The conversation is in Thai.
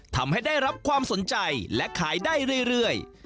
ทำให้ได้รับความสนใจและขายได้เรื่อย